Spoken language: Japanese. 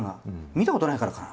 見たことないからかな。